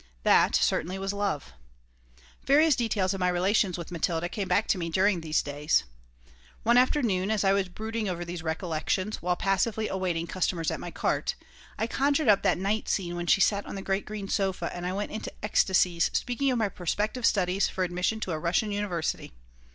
That certainly was love Various details of my relations with Matilda came back to me during these days One afternoon, as I was brooding over these recollections, while passively awaiting customers at my cart, I conjured up that night scene when she sat on the great green sofa and I went into ecstasies speaking of my prospective studies for admission to a Russian university.